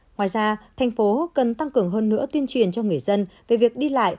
ngoài ra thành phố cần tăng cường hơn nữa tuyên truyền cho người dân về việc đi lại